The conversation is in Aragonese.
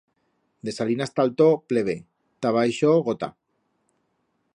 De Salinas ta alto, pleve; ta abaixo, gota.